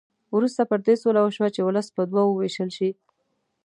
وروسته پر دې سوله وشوه چې ولس په دوه وو وېشل شي.